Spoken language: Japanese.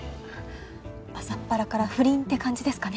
朝っぱらから不倫って感じですかね？